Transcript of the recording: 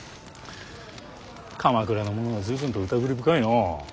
鎌倉の者は随分とうたぐり深いのう。